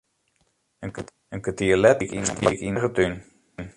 In kertier letter stie ik yn in prachtige tún.